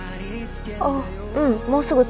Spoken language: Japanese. あっうん。